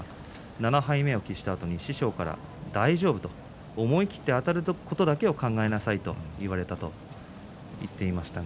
７敗目を喫した時に師匠からは大丈夫、思い切ってあたることだけを考えなさいと言われたと言っていました。